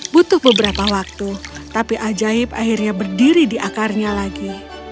butuh beberapa waktu tapi ajaib akhirnya berdiri di akarnya lagi